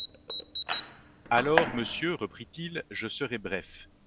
Alors, monsieur, reprit-il, je serai bref.